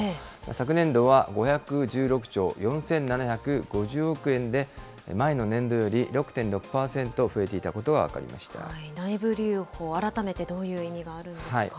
昨年度は５１６兆４７５０億円で前の年度より６．６％増えていた内部留保、改めてどういう意味があるんですか。